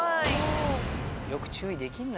よく注意できんな。